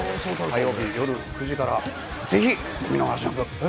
火曜日夜９時から、ぜひお見逃しなく。